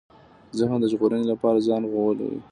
ذهن د ژغورنې لپاره ځان غولوي.